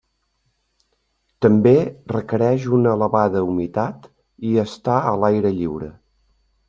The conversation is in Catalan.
També requereix una elevada humitat i estar a l'aire lliure.